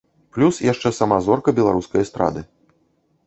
Плюс яшчэ сама зорка беларускай эстрады.